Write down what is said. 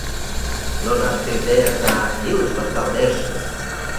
Но жап шижде эрта, илыш вашталтеш.